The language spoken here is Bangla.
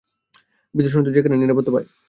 ভীত সন্ত্রস্ত যেখানে নিরাপত্তা পায়।